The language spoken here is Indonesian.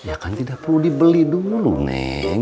ya kan tidak perlu dibeli dulu neng